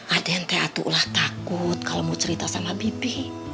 aden aku takut kalau mau cerita sama bibi